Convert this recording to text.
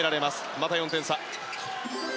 また４点差。